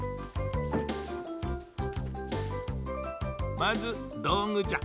まずどうぐじゃ。